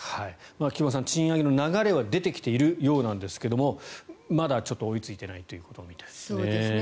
菊間さん、賃上げの流れは出てきているようなんですがまだちょっと追いついていないということみたいですね。